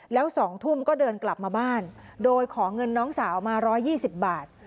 แล้ว๒ทุ่มก็เดินกลับมาบ้านโดยขอเงินน้องสาวมา๑๒๐บาท